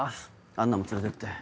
アンナも連れてって。